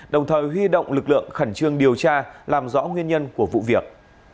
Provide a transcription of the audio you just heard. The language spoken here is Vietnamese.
đồng thời huy động lực lượng khẩn trương điều tra làm rõ nguyên nhân của vụ việc